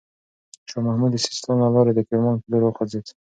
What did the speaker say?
شاه محمود د سیستان له لاري د کرمان پر لور وخوځېد.